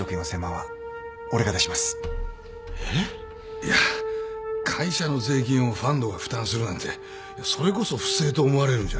いや会社の税金をファンドが負担するなんてそれこそ不正と思われるんじゃ。